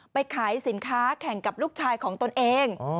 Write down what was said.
ไปขายสินค้าแข่งกับลูกชายของตนเอง